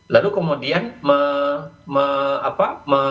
lalu kemudian me apa